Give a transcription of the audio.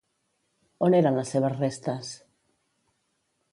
On eren les seves restes?